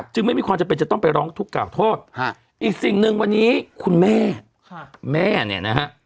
จึงไม่มีความจำเป็นจะต้องไปร้องทุกข่าโทษอีกสิ่งหนึ่งวันนี้คุณแม่แม่เนี่ยนะฮะ